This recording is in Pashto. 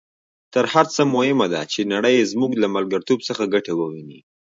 تر هر څه مهمه ده چې نړۍ زموږ له ملګرتوب څخه ګټه وویني.